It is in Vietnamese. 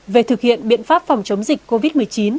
về thực hiện biện pháp phòng chống dịch covid một mươi chín